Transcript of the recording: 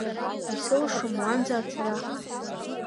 Исылшом уанӡа ацара.